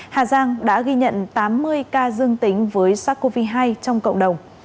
hà giang đã ghi nhận tám mươi ca dương tính với sars cov hai trong cộng đồng